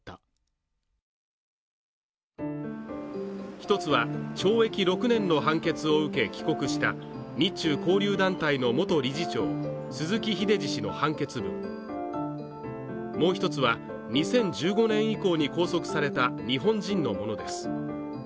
一つは懲役６年の判決を受け帰国した日中交流団体の元理事長・鈴木英司氏の判決文もう一つは、２０１５年以降に拘束された日本人のものです。